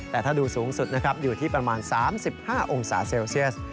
แต่ถ้าดูสูงสุดนะครับอยู่ที่ประมาณ๓๕องศาเซลเซียส